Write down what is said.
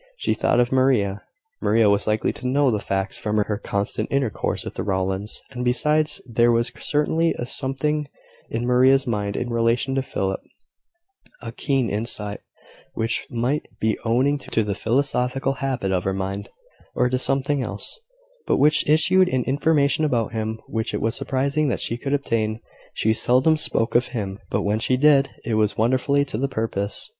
She thought of Maria. Maria was likely to know the facts, from her constant intercourse with the Rowlands, and besides, there was certainly a something in Maria's mind in relation to Philip, a keen insight, which might be owing to the philosophical habit of her mind, or to something else, but which issued in information about him, which it was surprising that she could obtain. She seldom spoke of him; but when she did, it was wonderfully to the purpose.